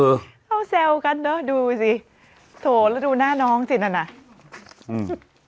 เขาแซวกันเนอะดูสิโถแล้วดูหน้าน้องสินั่นน่ะอืม